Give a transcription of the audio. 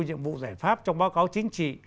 những vụ giải pháp trong báo cáo chính trị